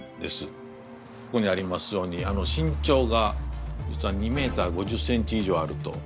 ここにありますように身長が実は２ｍ５０ｃｍ以上あると。